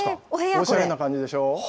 おしゃれな感じでしょ？